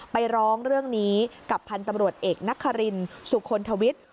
ไปร้องเรื่องนี้กับพันธุ์ตำรวจเอกนักฮารินสุคลทวิทย์